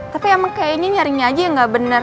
tapi emang kayaknya nyaringnya aja yang gak bener